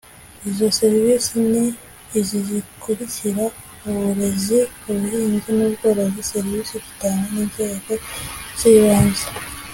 Izo servisi ni izi zikurikira uburezi ubuhinzi n ubworozi serivisi zitangwa n inzego z ibanze